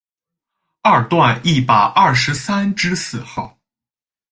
二段一百二十三之四号